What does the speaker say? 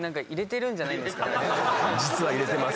実は入れてます